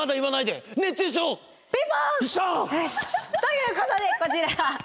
よっしゃ！ということでこちら。